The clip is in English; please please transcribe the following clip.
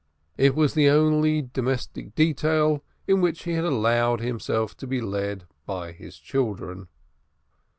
It was the only domestic detail in which he had allowed himself to be led by his children.